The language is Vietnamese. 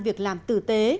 việc làm tử tế